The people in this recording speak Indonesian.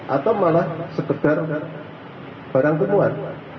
atau malah sekedar barang temuan